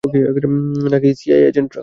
নাকি সিআইএ এজেন্টরা?